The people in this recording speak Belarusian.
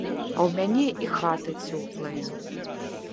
А ў мяне і хата цёплая.